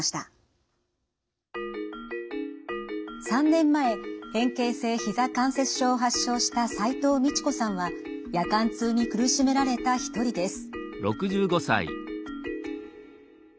３年前変形性ひざ関節症を発症した齋藤道子さんは夜間痛に苦しめられた一人です。